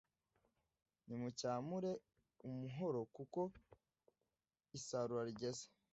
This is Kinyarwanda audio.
Nimucyamure umuhoro kuko isarura rigeze;